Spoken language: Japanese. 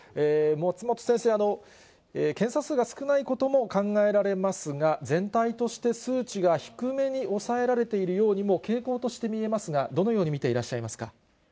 松本先生、検査数が少ないことも考えられますが、全体として数値が低めに抑えられているようにも、傾向として見えますが、どのように見ていらっしゃいますか。